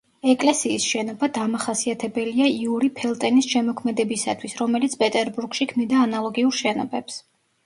ეკლესიის შენობა დამახასიათებელია იური ფელტენის შემოქმედებისათვის, რომელიც პეტერბურგში ქმნიდა ანალოგიურ შენობებს.